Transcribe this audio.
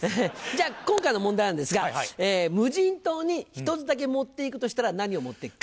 じゃあ今回の問題なんですが無人島に一つだけ持っていくとしたら何を持っていくか。